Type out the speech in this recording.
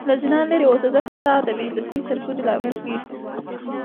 له زنا لرې اوسه ځکه ستا د بی عزتي سر کوزي لامل کيږې